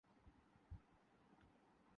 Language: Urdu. میں فجر کی نماز ادا کر تاہوں